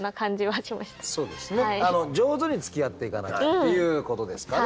上手につきあっていかなきゃっていうことですかね